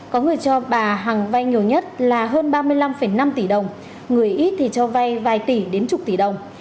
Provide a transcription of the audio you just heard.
có người cho bà hằng vay nhiều nhất là hơn ba mươi năm năm tỷ đồng người ít thì cho vay vài tỷ đến chục tỷ đồng